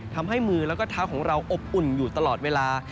ทำให้มือแล้วก็เท้าของเราอบอุ่นอยู่ตลอดเวลา